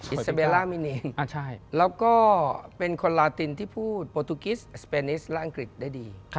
อิสเบลล่ามิเนียนแล้วก็เป็นคนลาตินที่พูดโปรตูกิสสเปนิสและอังกฤษได้ดี